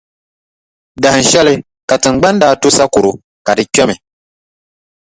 Dahinshɛli ka Tiŋgbani daa to sakɔro ka di kpɛmi.